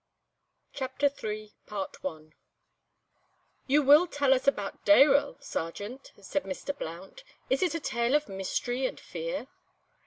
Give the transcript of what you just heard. CHAPTER III "YOU will tell us about Dayrell, Sergeant?" said Mr. Blount. "Is it a tale of mystery and fear?"